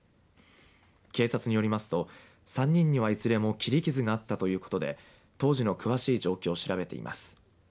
警察によりますと３人にはいずれも切り傷があったということで当時の詳しい状況を調べています。